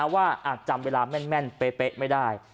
อาจจำเวลาแม่นเป๊ะไม่ได้